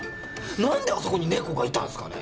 なんであそこにネコがいたんすかね？